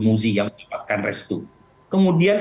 muzi yang menyebabkan reshuffle kemudian